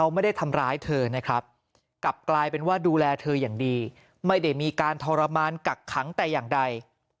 ไม่ได้มีการทรมานกักขังแต่อย่างใด